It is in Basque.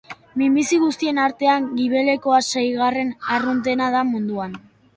Minbizi guztien artean, gibelekoa seigarren arruntena da munduan.